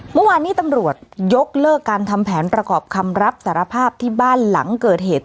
เมื่อวานนี้ตำรวจยกเลิกการทำแผนประกอบคำรับสารภาพที่บ้านหลังเกิดเหตุ